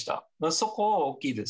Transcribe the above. そこは大きいです。